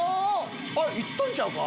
いったんちゃうか？